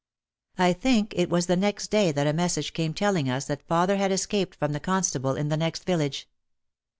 I think it was the next day that a message came telling us that father had escaped from the constable in the next village.